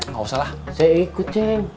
gak usah lah saya ikut ceng